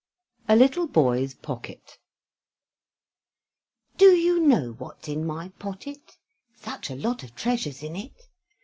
A LITTLE BOY'S POCKET Do you know what's in my pottet? Such a lot of treasures in it!